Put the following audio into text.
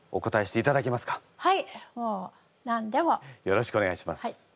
よろしくお願いします。